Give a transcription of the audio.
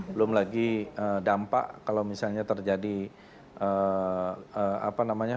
belum lagi dampak kalau misalnya terjadi apa namanya